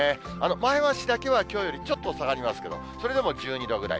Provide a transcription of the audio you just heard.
前橋だけはきょうよりちょっと下がりますけど、それでも１２度ぐらい。